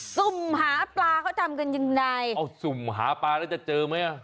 สุ่มหาปลาเขาทำกันยังไงเอาสุ่มหาปลาแล้วจะเจอไหมอ่ะ